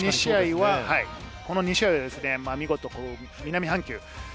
この２試合は南半球。